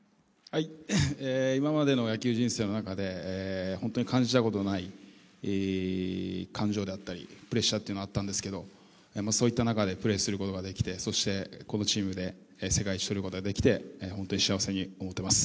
今までの野球人生の中で本当に感じたことのない感情であったり、プレッシャーというのはあったんですけど、その中でプレーすることができてそしてこのチームで世界一とることができて、本当に幸せに思っています。